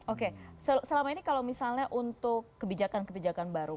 oke selama ini kalau misalnya untuk kebijakan kebijakan baru